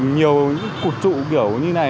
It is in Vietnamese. nhiều những cụt trụ kiểu như này